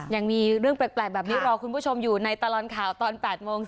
ยังมีเรื่องแปลกแบบนี้รอคุณผู้ชมอยู่ในตลอดข่าวตอน๘โมง